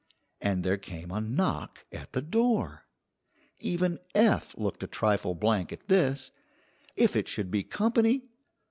And there came a knock at the door. Even Eph looked a trifle blank at this. If it should be company!